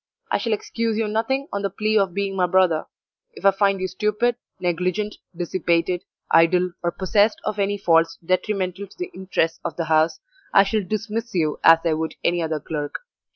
I shall excuse you nothing on the plea of being my brother; if I find you stupid, negligent, dissipated, idle, or possessed of any faults detrimental to the interests of the house, I shall dismiss you as I would any other clerk.